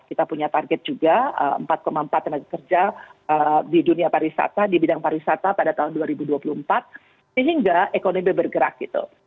kita punya target juga empat empat tenaga kerja di dunia pariwisata di bidang pariwisata pada tahun dua ribu dua puluh empat sehingga ekonomi bergerak gitu